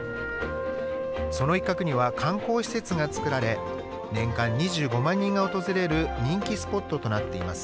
その一角には観光施設がつくられ、年間２５万人が訪れる人気スポットとなっています。